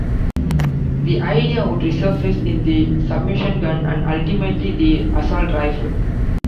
The idea would resurface in the submachine gun and ultimately the assault rifle.